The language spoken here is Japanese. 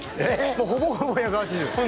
もうほぼほぼ１８０です